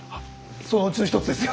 そのうちの一つですよ。